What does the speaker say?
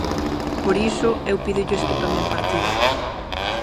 Por iso, eu pídolles que tomen partido.